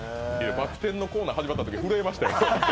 バク転のコーナー始まったとき震えましたよ。